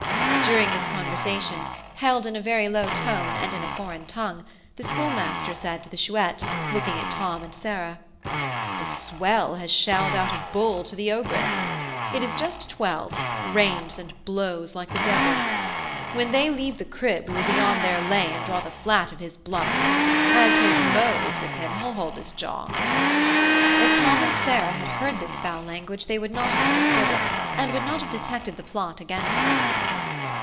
During this conversation, held in a very low tone, and in a foreign tongue, the Schoolmaster said to the Chouette, looking at Tom and Sarah, "The swell has shelled out a 'bull' to the ogress. It is just twelve, rains and blows like the devil. When they leave the 'crib,' we will be on their 'lay,' and draw the 'flat' of his 'blunt.' As his 'mot' is with him, he'll hold his jaw." If Tom and Sarah had heard this foul language, they would not have understood it, and would not have detected the plot against them.